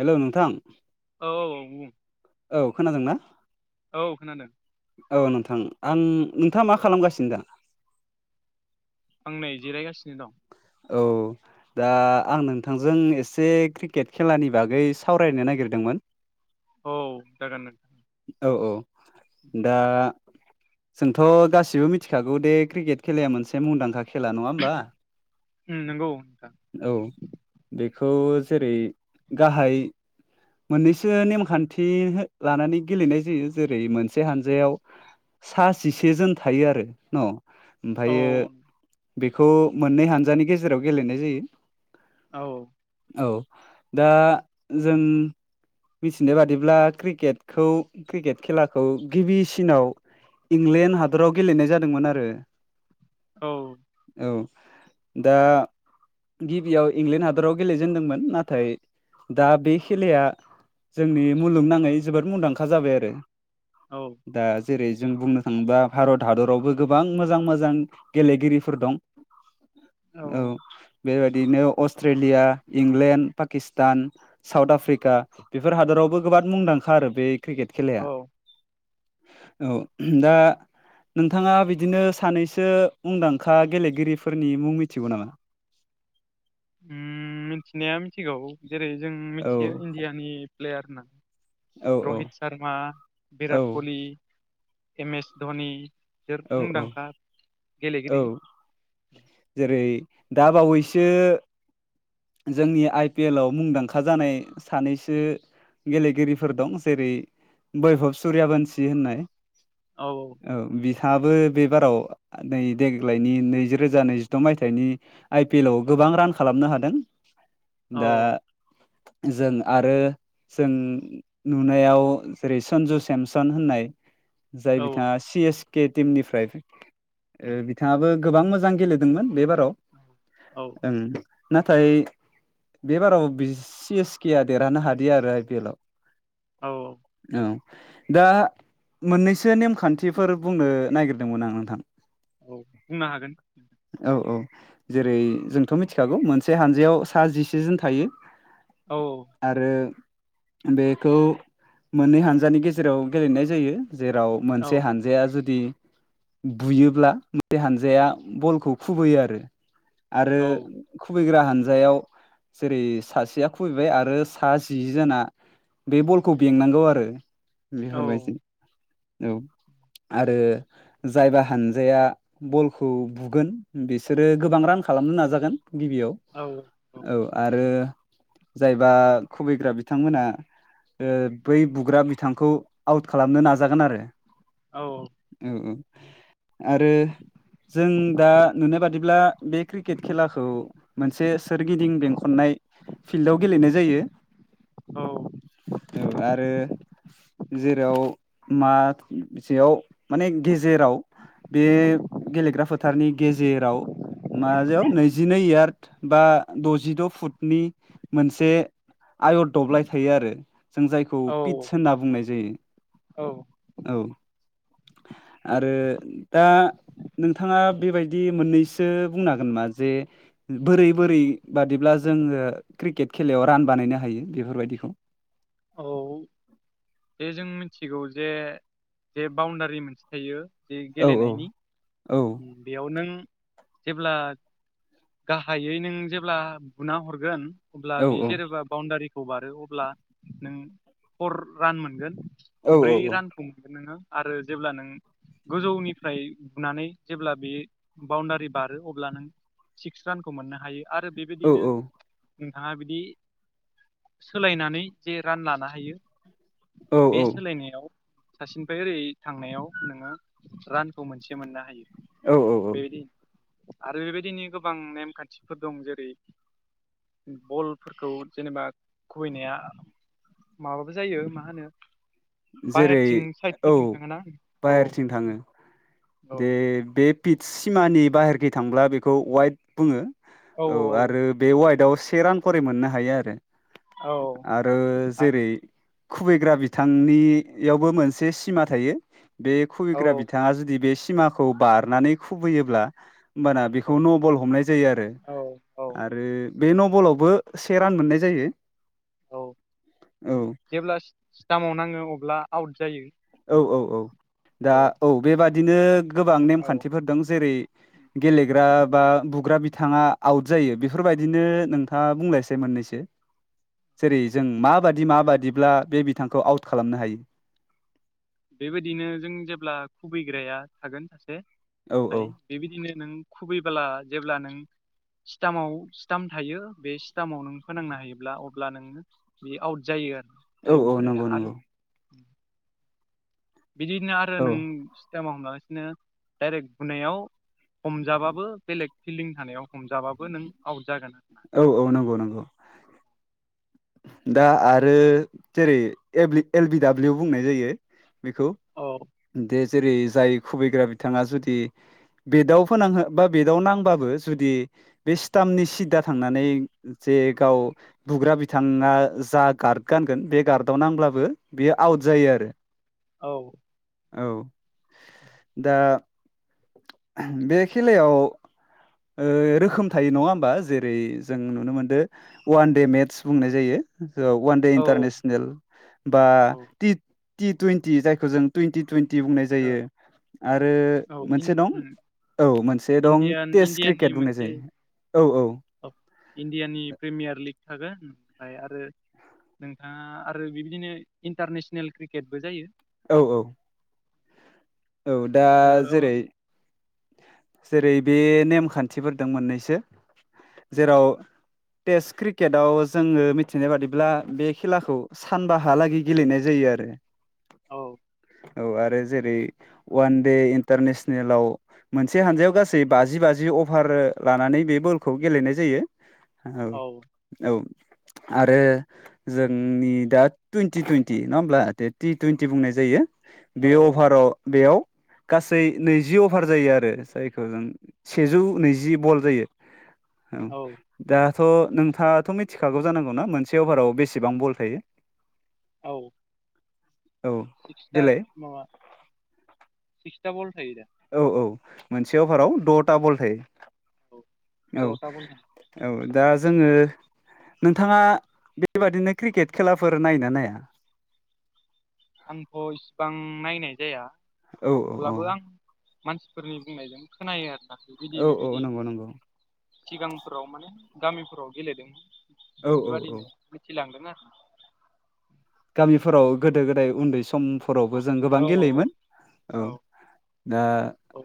Hello नोंथां औ औ बुं औ खोनादोंना औ खोनादों औ नोंथां आं नोंथाङा मा खालामगासिनो दा? आं नै जिरायगासिनो दं। औ। दा आं नोंथांजों एसे क्रिकेट खेलानि बागै सावरायनो नागिरदोंमोन औ जागोन नों औ औ दा जोंथ' गासिबो मिथिखागौ दे क्रिकेट खेलाया मोनसे मुंदांखा खेला नङा होमबा उम नंगौ नोंथां खौ जेरै गाहाय मोननैसो नेमखान्थि हो लानानै गेलेनाय जायो जेरै मोनसे हानजायाव सा जिसे जोन थायो आरो न' औ ओमफायो बेखौ मोननै हानजानि गेजेराव गेलेनाय जायो। औ। औ दा जों मिथिनाय बादिब्ला क्रिकेटखौ क्रिकेट खेलाखौ गिबिसिनाव इंलेण्ड हादराव गेलेनाय जादोंमोन आरो। औ। औ दा गिबियाव इंलेण्ड हादराव गेलेजेनदोंमोन नाथाय दा बे खेलाया जोंनि मुलुगनाङै जोबोद मुंदांखा जाबाय आरो। औ दा ज जेरै जों बुंनो थाङोबा भारत हादरावबो गोबां मोजां मोजां गेलेगिरिफोर दं। औ बेबायदिनो Australia, England, Pakistan, South Africa बेफोर हादराव [unintelligible] बो गोबां मुंदांखा आरो बे क्रिकेट खेलाया औ औ दा नोंथाङा बिदिनो सानैसो मुंदांखा गेलेगिरिफो फोरनि मुं मिथिगौ नामा? उम मिनथिनाया मिनथिगौ जेरै जों औ मिथियो इण्डियानि प्लेयार होनना औ औ रहित सार्मा, औ बिराट कलि, एम एस धनि बिसोर औ औ मुंदांखा गेलेगिरि। औ जेरै दा बावैसो जोंनि आइ पि एल आव मुंदांखा जानाय सानैसो गेलेगिरिफोर दं जेरै बैभब सुरिया बोनसि होननाय औ औ बि थांआबो बे बाराव नै देग्लायनि नैजि रोजा नैजिद' मायथाइनि आइ पि एल आव गोब [unintelligible] बां रान खालामनो हादों औ दा जों आरो जों [unintelligible] नुनायाव जेरै सनजु सेमसन होननाय जाय औ औ बिथाङा सि एस केटिम निफ्राय ओ बिथाङाबो गोबां मोजां गेलेदोंमोन बे बा राव औ [unintelligible] नाथाय बे बाराव बि सि एसकेया देरहानो हादिया आरो आइ पि एल आव औ औ दा मोननैसो नेमखान्थिफोर बुंनो नागिरदोंमोन आं नोंथां औ बुंनो हागोन औ औ जेरै जोंथ' मिथिखागौ मोनसे हानजायाव सा जिसेजोन थायो। औ आरो बेखौ मोननै हानजानि गेजेराव गेलेनाय जायो जेराव औ मोनसे हानजाया जुदि बुयोब्ला मोनसे हानजाया बलखौ खुबैयो आरो आरो खुबैग्रा हानजायाव जेरै सासेया खुबैबाय आरो सा जि जोना बे बलखौ बेंनांगौ आरो औ बेफोरबायदि औ आरो जायबा हानजाया बलखौ बुगोन बिसोरो गोबां रानख खालामनो नाजागोन गिबियाव औ औ आरो जायबा खुबैग्रा बिथांमोना बै बुग्रा बिथांखौ आउट खालामनो नाजागोन आरो औ औ आरो जों दा नुनाय बादिब्ला बे क्रिकेट खेलाखौ मोनसे सोरगिदिं बेंखननाय फिल्डआव गेलेनाय जायो औ औ आरो जेराव मसेयाव माने गेजेराव बे गेलेग्रा फोथारनि गेजेराव माजायाव नैजिनै इयार्द बा दजिद' फुटनि मोनसे आयर दब्लाय थायो आरो जों जायखौ पिट्स औ होनना बुंनाय जायो औ आरो दा नोंथाङा बेबायदि मोननैसो बुंन हागोन नामा जे बोरै बोरै बादिब्ला जोङो क्रिकेट खेलायाव रान बानायनो हायो बेफोरबायदिखौ औ बे जों मिथिगौ जे जे बाउण्डारि मोनसे थायो ज औ औ गेलेनायनि औ बेयाव नों जेब्ला गाहायै नों जेब्ला बुना हरगोन अब्ला औ बे औ जेनेबा बाउणडारिखौ बारो अब्ला नों फर रान मोनगोन औ ब्रै औ रानखौ मोनगोन नोङो आरो जेब्ला नों गोजौनिफ्राय बुनानै जेब्ला बेयो बाउण्डारि बारो अब्ला नों सिक्स रानखौ मोननो हायो आरो औ बेबायदिनो नोंथाङा बिदि सोलायनानै जे रान लानो हायो औ बे सोलायनायाव सासेनिफ्राय ओरै थांनायाव नोङो रानखौ मोनसे मोननो हायो औ औ औ बेबायदि आरो बेबायदिनो गोबां नेमखान्थिफोर दं जेरै बलफोरखौ जेनेबा खुबैनाया माबाबो जायो मा होनो जेरै बाहेरथिं औ साइदफोरथिं थाङोनां औ बाहेरथिं थाङो औ दे बे पिट सिमानि बाहेरखै थांब्ला बेखौ वाइट बुङो औ आरो बे वाइडआव से रान खरि मोननो हायो आरो। औ आरो जेरै खुबैग्रा बिथां। नियावबो मोनसे सिमा थायो बे औ खुबैग्रा बिथाङा जुदि बे। सिमाखौ बारनानै खुबैयोब्ला। होमबाना औ बेखौ न' बल हमनाय जायो आरो औ औ आरो। बे नबलावबो से रान मोननाय जायो। औ औ जेब्ला स्टामाव नाङो अब्ला आउट जायो। औ औ औ दा औ बेबादिनो। गोबां नेम औ खान्थिफोर दं जेरै गेलेग्रा बा बुग्रा बि। बिथाङा आउट जायो बेफोरबायदिनो नोंथाङा बुंलायसै मोननैसो। जेरै जों माबादि माबादिब्ला बे बिथांखौ आउट खालामनो हायो। बेबायदिनो जों जेब्ला खुबैग्राया थागोन सासे औ औ ओमफ्राय बेबायदिनो। नों खुबैबोला जेब्ला नों। सिटामाव स्टाम थायो बे सि्टामाव नों फोनांनो हायोब्ला अब्ला नोङो। बे आउट जायो आरो। औ जाय औ बुग्राया नंगौ नंगौ। आरो बिदिनो आरो औ नों सिटामाव हमालासिनो डाइरेक्ट बुनायाव। हमजाबाबो बेलेग फिल्डिं थानायाव हमजाबाबो नों आउट जागोन आरो। औ औ नंगौ नंगौ। दा आरो जेरै एल ल्बि एल बि दडाब्लिउ बुंनाय जायो। बेखौ औ दे जेरै जाय खुबैग्रा बिथाङा जुदि। बेटआव फोनांहो बा बेटआव नांबाबबो जुदि बे स्टाम सिदा। थांनानै जे गाव बुग्रा बि। बिथाङा जा गार्ड गानगोन बे गार्डआव नांब्लाबो बियो आउट जायो आरो। औ। औ दा बे खेलायाव। ओ रोखोम थायो नङा होमबा जेरै जों नुनो मोनदों वान दे मेटस। बुंनाय जायो वान दे औ इन्टारनेसनेल बा औ टिथ। टि तुयेन टि जायखौ जों तुयेनटि तुयेनटि बुंनाय जायो आरो। आरो औ इन मोनसे दं औ मोनसे दं इण्डियान टेस्ट इण्डियाननि क्रिकेट बुंनाय मोनसे जायो। औ औ इण्डियानि प्रिमियार लिग थागोन। ओमफ्राय आरो नोंथाङा आरो बिबायदिनो इन्टारनेसनेल क्रिकेटबो जायो। औ औ। औ दा ओ जेरै। जेरै बे नेम खान्थिफोर दं मोननैसो जेराव। टेस्ट क्रिकेटाव जोङो मिथिनाय बादिब्ला बे खेलाखौ सानबा हालागै गेलेनाय जायो। आरो। औ। औ आरो जेरै वान दे इन्टारनेसनेलाव। मोनसे हानजायाव गासै बाजि बाजि अभार लानानै बे बलखौ गेलेनाय जायो। औ औ। आरो जोंनि दा टुइन्टि टुइन्टि नङा होमब्लाे टि टुइन्टि बुंनाय जायो। बे औ अभाराव बेयाव गासै नैजि अ। अभार जायो आरो जायखौ जों सेजौ नैजि बल जायो। औ दा। थ' नोंथाङाथ' मिथिखागौ जानांगौना मोनसे अभाराव बेसेबां बल थायो। औ। औ सिक्सा देलाय माबा सिक्सा बल थायो दा। औ औ मोनसे अभाराव द'था बल औ थायो। दथा बल थाङो औ औ दा जोङो। नोंथाङा बेबादिनो क्रिकेट खेलाफोर नायनो नाया? आंथ' इसिबां नायनाय जाया औ अब्लाबो आं औ मानसिफोरनि बुंनायजों खोनायो आरो। औ औ नंगौ नंगौ सिगांफोराव माने गामिफोराव गेलेदों औ औ औ बेफोरबायादिनो मिथिलांदों आरो गामिफोराव गोदो गोदाय उन्दै सम समफोरावबो जों गोबां आरो औ गेलेयोमोन औ दा औ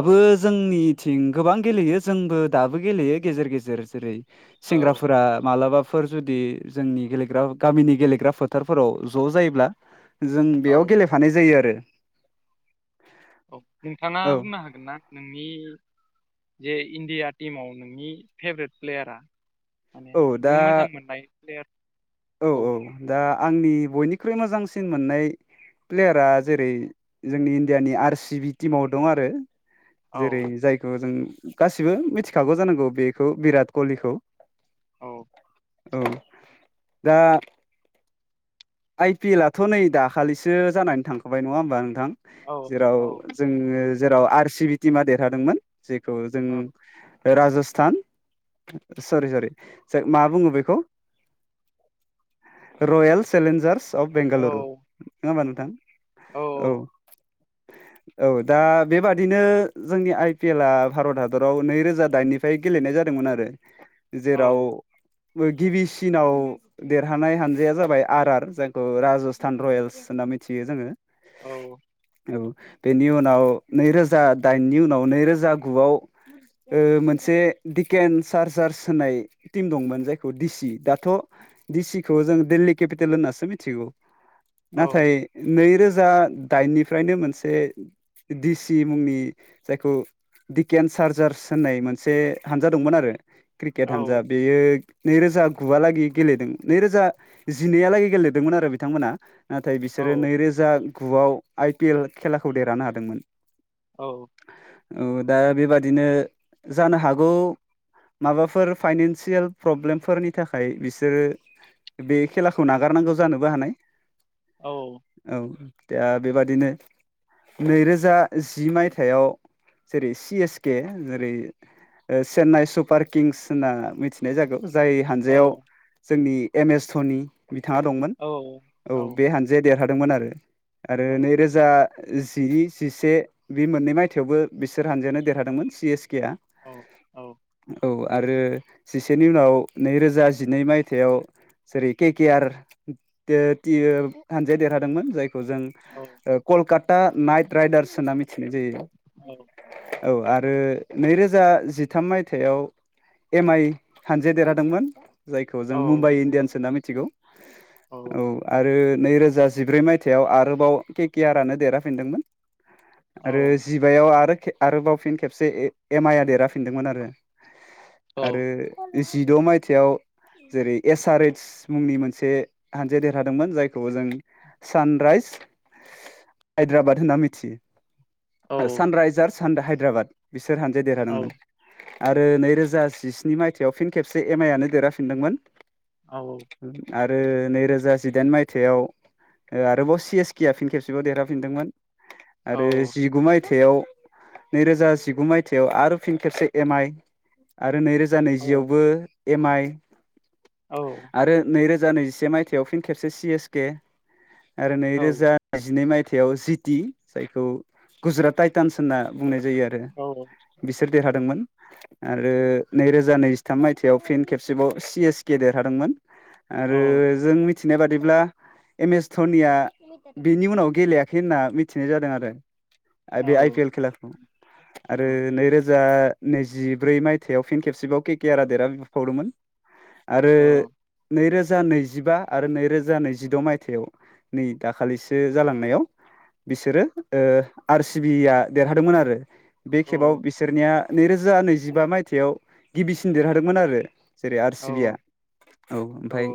औ जोंनि थिं गोबां गेलेयो जोंबो दाबो गेलेयो गेजेर गेजेर जेरै औ सेंग्राफोरा मालाबा फोर जुदि जोंनि गेलेग्रा गामिनि गेलेग्रा फोथारफोराव ज' जायोब्ला जों औ बेयाव गेलेफानाय जायो आरो औ नोंथाङा औ बुंनो हागोनना नोंनि जे इण्डिया टिमाव नोंनि फेभरेट प्लेयारा माने औ दा नों मोजां मोननाय प्लेयार औ औ दा आंनि बयनिख्रुइ मोजांसिन मोननाय प्लेयारा जेरै जोंनि इण्डियानि आर सि बि टिमाव दं आरो। औ जेरै जायखौ जों गासिबो मिथिखागौ जानांगौ बेखौ बिराट कलिखौ औ औ दा आइ पि एलआथ' नै दाखाबलिसो जानानै थांखाबाय नङा होमबा नोंथां? औ जेराव औ जोङो जेराव आर सि बि टिमा देरहादोंमोन। जेखौ जों औ राजस्थान सरि सरि मा बुङो बेखौ रयेल चेलेन्जार्स अफ औ बेंगालुरु नङा होमबा औ नोंथां औ औ औ दा बेबादिनो जोंनि आइ पि एल आ भारत हादराव नैरोजा दाइननिफ्राय गेलेनाय जा जादोंमोन‌ आरो औ जेराव गिबिसिनाव देरहानाय हानजाया जाबाय आर आर जायखौ राजस्थान रयेल्स होनना मिथियो जोङो। औ औ बेनि उनाव नैरोजा दाइननि उनाव नैरोजा गुआव ओ मोनसे दिकेन सारजार्स होननाय टिम दंमोन जायखौ दिसि दाथ' दिसिखौ जों दिल्ली केपिटेल होनो मिथिगौ औ नाथाय नै रोजा जा दाइननिफ्रायनो मोनसे दिसि मुंनि जायखौ दिडकन चारजार्स होननाय मोनसे हानजा दंमोन आरो। क्रिकेट हानजा बेयो नैरोजा गुवालागै गेलेदों। नैरोजा जिनैहालागै गेलेदोंमोन आरो बिथांमोना नाथाय औ बिसोरो औ नैरोजा गुआव आइ पि एल खेलाखौ देरहानो हादोंमोन। औ दा बेबादिनो जानो हागौ माबाफोर फाइनानसियेल प्रब्लेमफोरनि थाखाय बिसोरो बे खेलाखौ नागारनांगौ जानोबो हानाय औ। दा बेबादिनो नैरोजा जि मायथाइयाव जेरै सि एसके जेरै चेन्नाइ सुपार किंस होनना मिथिनाय जागौ। जाय हानजायाव जोंनि एम एस धनि बिथाङा दंमोन औ बे हानजाया देरहादोंमोन आरो आरो नैरोजा जिनि जिसे बे मोननै मायथाइावबो बिसोर हानजानो देरहादोंमोन सि एस केआ औ आरो जिसेनि उनाव नैरोजा जिनै मायथाइ थायाव जेरै के के आर टि ओ हानजाया देरहादोंमोन जाय खौ जों औ ओ कलकाता नाइट राइडार्स होनना मिथिनाय जायो। औ औ आरो नै रोजा जिथाम मायथाइयाव एम आइ हानजाया देरहादोंमोन जाय खौ जों मुम्बाइ इण्डियानस होनना मिथिगौ। औ आरो नै रोजा जिब्रै मायथाइाव आरोबाव के के आर आनो देरहाफिनदोंमोन। आरो जिबायाव आरो आरोबाव फिन खेबसे एम आइ आ देरहाफिनदोंमोन आरो। आरो जिद' मायथाइयाव जेरै एस आर ओइच मुंनि मोनसे हानजाया देरहादोंमोन‌ जायखौ जों सानराइस हायद्राबाद होनना मिथियो। सान राइजार्स हायद्राबाद बिसोर हानजाया देरहादोंमोन। आरो नैरोजा जिस्नि माइथायाव फिन खेबसे एम आइ आनो देरहाफिनदोंमोन। औ औ। आरो नैरोजा जिदाइन मायथाइयाव। आरोबाव सि एस के आ फिन खेबसेबाव देरहााफिनदोंमोन। आरो जिगुनै। मायथाइयाव नै रोजा जिगु मायथाइयाव आरो फिन खेबसे एम आइ आरो नै रोजा रोजा नैजियावबो एम आइ आरो नैरोजा नैजिसे मायथाइयाव फिन खेबसे सि एस केे आरो नैरोजा नैजिनै मायथाइयाव जिटि जायखौ गुजरात टाइटानस होनना। बुंनाय जायो आरो बि बिसोर देरहादोंमोन आरो नैरोजा नैजिथाम मायथाइयाव फन खेबसे। बे खेबाव सि एस केे देरहादोंमोन आरो जों मिथिनाय बादिब्ला। एम एस धनिया बिनि उनाव गेलेयाखै होनना मिथिनाय जादों आरो। बे आइ पि एल खेलाखौ आरो नैरोजा जा नैजिब्रै मायथाइयाव फिन खेबसेबाव के के आर आ देरहा फिनबावदोंमोन। आरो नैरोजा नै रोजा नैजिबा आरो नैरोजा नैजिद' मायथाइयाव नै दाखालिसो जालांनायाव बिसोरो आर सि बिया देरहादोंमोन आरो। बे खेबाव बिसोरनिया नैरोजा नैजिबा मायथाइयाव गिबिसिन देरहादोंमोन आरो। जेरै आर सि बिआ औ ओमफ्राय